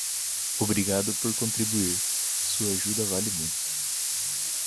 Obrigado por contribuir, sua ajuda vale muito.